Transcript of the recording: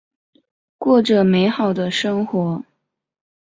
过着美好的生活。